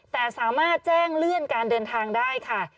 แต่สามารถแจ้งเลื่อนการเดินทางได้ค่ะ